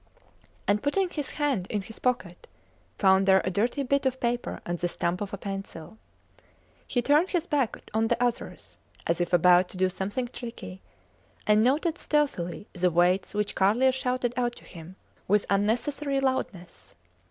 and putting his hand in his pocket found there a dirty bit of paper and the stump of a pencil. He turned his back on the others, as if about to do something tricky, and noted stealthily the weights which Carlier shouted out to him with unnecessary loudness.